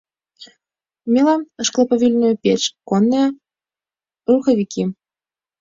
Мела шклоплавільную печ, конныя рухавікі.